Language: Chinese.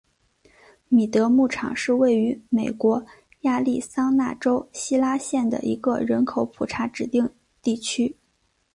米德牧场是位于美国亚利桑那州希拉县的一个人口普查指定地区。